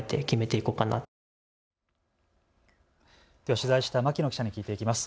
取材した牧野記者に聞いていきます。